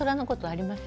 あります。